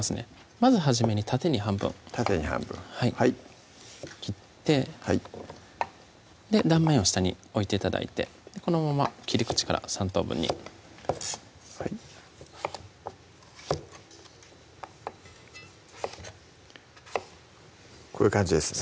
まず初めに縦に半分縦に半分はい切って断面を下に置いて頂いてこのまま切り口から３等分にこういう感じですね